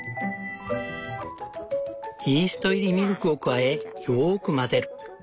イースト入りミルクを加えよく混ぜる。